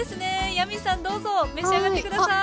ヤミーさんどうぞ召し上がってください。